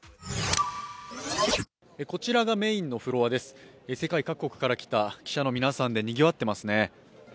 こちらがメインのフロアです、世界各国から来た記者の皆さんでにぎわっていますね。